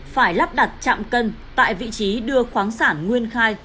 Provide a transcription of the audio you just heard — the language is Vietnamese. phải lắp đặt chạm cân tại vị trí đưa khoáng sản nguyên khai